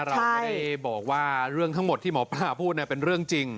เราไม่ได้บอกว่าเรื่องทั้งหมดที่หมอปลาพูดเป็นเรื่องจริง